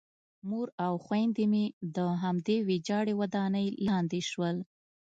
مور او خویندې مې د همدې ویجاړې ودانۍ لاندې شول